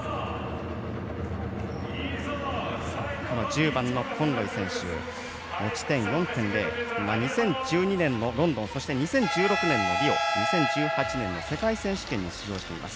１０番のコンロイ選手は持ち点４．０２０１２年のロンドンそして２０１６年のリオ２０１８年の世界選手権に出場しています。